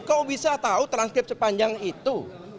kok bisa tahu transkrip sepanjang itu